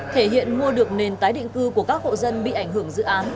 thể hiện mua được nền tái định cư của các hộ dân bị ảnh hưởng dự án